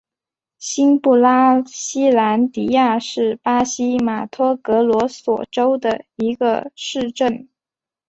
新布拉西兰迪亚是巴西马托格罗索州的一个市镇。